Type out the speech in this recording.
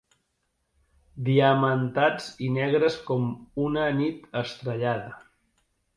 Diamantats i negres com una nit estrellada.